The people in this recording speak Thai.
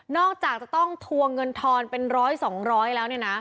นอกจากจะต้องถวงเงินถอนเป็น๑๐๐๒๐๐อันแล้ว